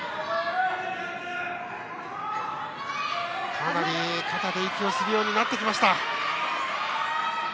かなり肩で息をするようになってきました。